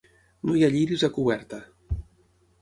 No hi ha lliris a coberta.